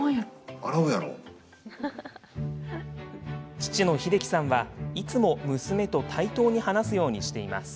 父の英樹さんはいつも娘と対等に話すようにしています。